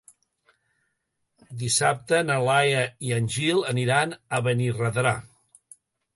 Dissabte na Laia i en Gil aniran a Benirredrà.